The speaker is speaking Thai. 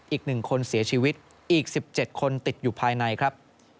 อีกหนึ่งคนเสียชีวิตอีกสิบเจ็ดคนติดอยู่ภายในครับ